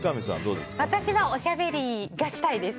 私はおしゃべりがしたいです。